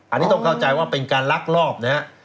อันนี้ต้องเข้าใจว่าเป็นการลักลอบนะฮะ